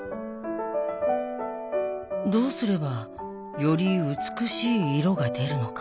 どうすればより美しい色が出るのか？